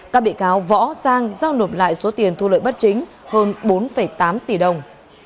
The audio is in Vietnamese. các bị cáo võ sang giao nộp lại số tiền thu lợi bất chính hơn bốn tám tỷ đồng